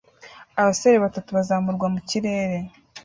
Abasore batatu bazamurwa mu kirere